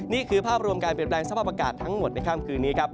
นี่คือภาพรวมการเปลี่ยนแปลงสภาพอากาศทั้งหมดในค่ำคืนนี้ครับ